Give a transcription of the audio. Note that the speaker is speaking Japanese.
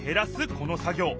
この作業。